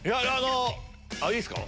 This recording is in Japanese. いいっすか？